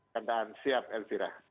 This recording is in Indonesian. keadaan siap elvira